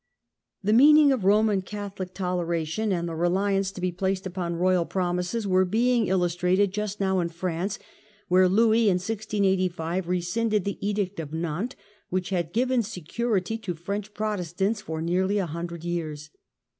The meaning of Roman Catholic toleration and the (962) G 92 THE king's reckless POLICY. reliance to be placed upon royal promises were being illustrated just now in France, where Louis in 1685 re scinded the Edict of Nantes, which had given security to French Protestants for nearly a hundred years.